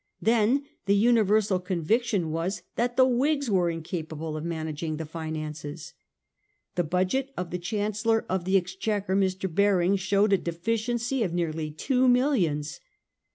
Then the universal conviction was that the Whigs were in capable of managing the finances. The budget of the Chancellor of the Exchequer, Mr. Baring, showed a deficiency of nearly two millions.